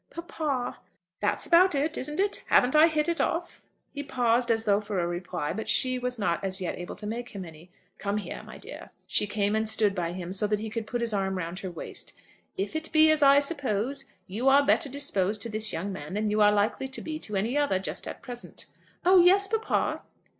"Papa!" "That's about it, isn't it? Haven't I hit it off?" He paused, as though for a reply, but she was not as yet able to make him any. "Come here, my dear." She came and stood by him, so that he could put his arm round her waist. "If it be as I suppose, you are better disposed to this young man than you are likely to be to any other, just at present." "Oh yes, papa."